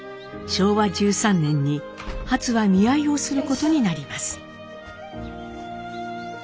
昭和１３年にハツは見合いをすることになります。